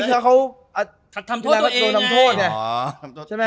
ทำโทษตัวเองไง